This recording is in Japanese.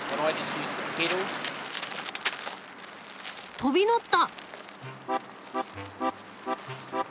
飛び乗った！